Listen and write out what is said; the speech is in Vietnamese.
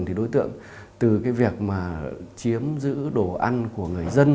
thì đối tượng từ việc chiếm giữ đồ ăn của người dân